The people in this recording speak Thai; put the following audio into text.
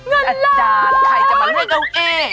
อาจารย์ใครจะมาเลื่อยเก้าเอ